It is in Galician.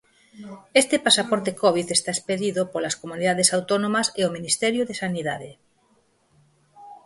Este pasaporte covid está expedido polas comunidades autónomas e o Ministerio de Sanidade.